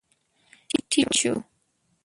ټيټ شو.